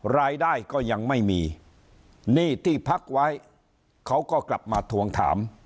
รายได้ก็ยังไม่มีหนี้ที่พักไว้เขาก็กลับมาทวงถาม